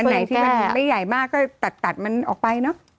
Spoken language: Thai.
ไหนที่มันไม่ใหญ่มากก็ตัดมันออกไปเนอะ